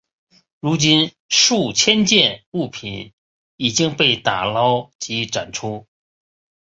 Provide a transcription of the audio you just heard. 如今数千件物品已经被打捞及展出。